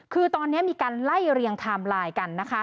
คือตอนนี้มีการไล่เรียงไทม์ไลน์กันนะคะ